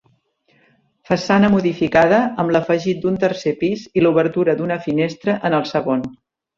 Façana modificada amb l'afegit d'un tercer pis i l'obertura d'una finestra en el segon.